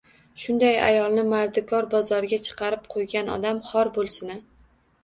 Shunday ayolni mardikor bozoriga chiqarib qo‘yg‘an odam xor bo‘lsin-a